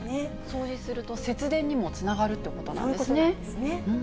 掃除すると、節電にもつながそういうことなんですね。